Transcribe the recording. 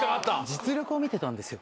実力を見てたんですよ。